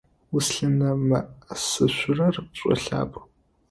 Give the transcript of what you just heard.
Узлъынэмыӏэсышъурэр пшӏолъапӏ.